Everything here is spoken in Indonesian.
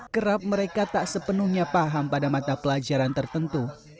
kerap mereka tak sepenuhnya paham pada mata pelajaran tertentu